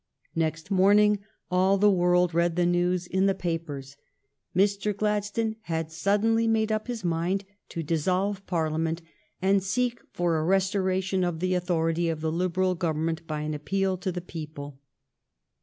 Next morning all the world read the news in the papers. Mr. Gladstone had suddenly made up his mind to dissolve Parliament, and seek for a resto ration of the authority of the Liberal Government by an appeal to the people."